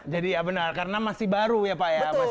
jadi ya benar karena masih baru ya pak ya